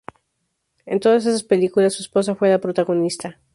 En todas esas películas su esposa fue la protagonista.